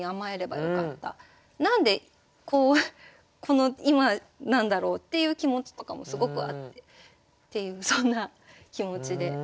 何で今なんだろうっていう気持ちとかもすごくあってっていうそんな気持ちで。